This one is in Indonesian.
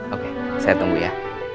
oke saya tunggu ya